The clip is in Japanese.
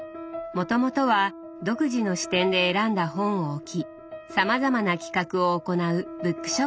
もともとは独自の視点で選んだ本を置きさまざまな企画を行うブックショップを経営。